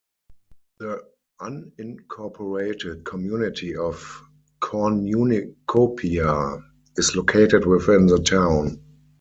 The unincorporated community of Cornucopia is located within the town.